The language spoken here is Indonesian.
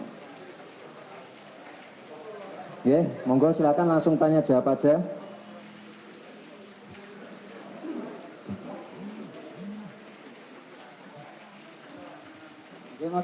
ya mohon gue silahkan langsung tanya jawab aja